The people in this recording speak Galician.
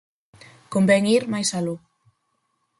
Convén ir máis aló.